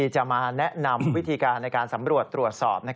จะมาแนะนำวิธีการในการสำรวจตรวจสอบ